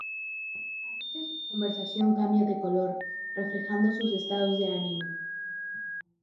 A veces, su conversación cambia de color, reflejando sus estados de ánimo.